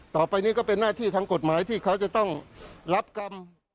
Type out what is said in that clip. ต่อไปนี้ก็เป็นหน้าที่ทางกฎหมายที่เขาจะต้องรับกรรม